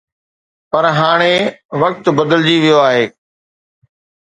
پر هاڻي وقت بدلجي ويو آهي.